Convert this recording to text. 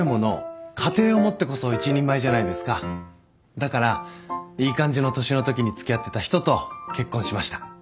だからいい感じの年のときに付き合ってた人と結婚しました。